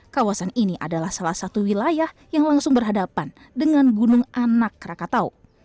kawasan ini adalah salah satu wilayah yang langsung berhadapan dengan gunung anak rakatau